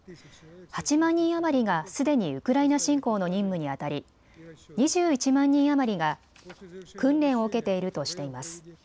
８万人余りがすでにウクライナ侵攻の任務にあたり２１万人余りが訓練を受けているとしています。